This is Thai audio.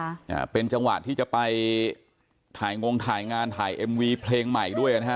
อ่าเป็นจังหวะที่จะไปถ่ายงงถ่ายงานถ่ายเอ็มวีเพลงใหม่ด้วยนะฮะ